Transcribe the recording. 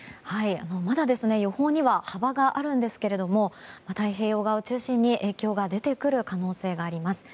まだ予報には幅があるんですけれども太平洋側を中心に影響が出てくる可能性があります。